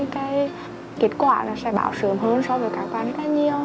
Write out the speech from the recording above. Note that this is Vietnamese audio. cái kết quả sẽ báo sớm hơn so với các bạn rất là nhiều